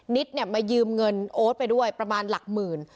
เนี่ยมายืมเงินโอ๊ตไปด้วยประมาณหลักหมื่น